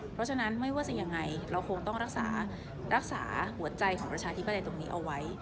เพราะฉะนั้นไม่ว่าจะยังไงเราคงต้องรักษารักษาหัวใจของประชาธิปไตยตรงนี้เอาไว้